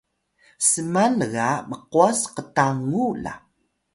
sman lga mqwas qtangu la